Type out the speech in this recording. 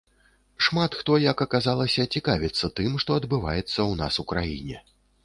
Шмат хто, як аказалася, цікавіцца тым, што адбываецца ў нас у краіне.